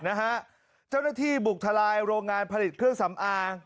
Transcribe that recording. เจ้าหน้าที่บุกทลายโรงงานผลิตเครื่องสำอาง